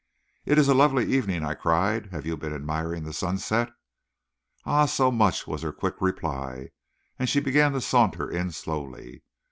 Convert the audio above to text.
"It is a lovely evening," I cried. "Have you been admiring the sunset?" "Ah, so much!" was her quick reply, and she began to saunter in slowly.